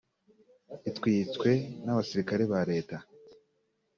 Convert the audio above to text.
itwitswe n’abasirikare ba Leta